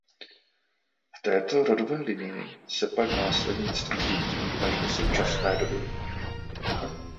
V této rodové linii se pak následnictví dědí až do současné doby.